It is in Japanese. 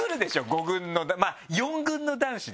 ５軍の４軍の男子だな。